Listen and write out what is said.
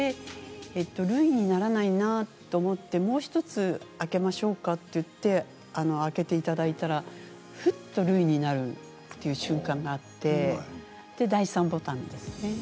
るいにならないなと思ってもう１つ開けましょうかって言って開けていただいたらふっとるいになるっていう瞬間があってで、第３ボタンですね。